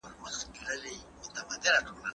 هغه تر ما ډېره صبوره ده.